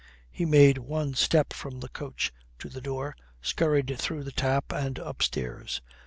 He made one step from the coach to the door, scurried through the tap and upstairs.